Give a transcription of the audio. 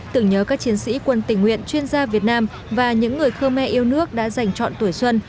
tưởng nhớ các chiến sĩ quân tình nguyện chuyên gia việt nam và những người khơ me yêu nước đã giành chọn tuổi xuân